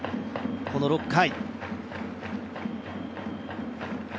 この６回。